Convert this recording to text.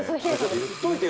言っといてよ。